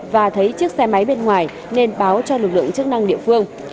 và thấy chiếc xe máy bên ngoài nên báo cho lực lượng chức năng địa phương